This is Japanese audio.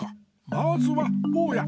まずはぼうや。